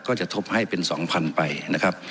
จะทบให้เป็น๒๐๐๐ไปนะครับ